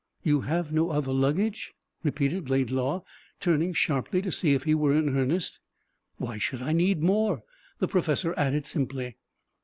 "You have no other luggage?" repeated Laidlaw, turning sharply to see if he were in earnest. "Why should I need more?" the professor added simply.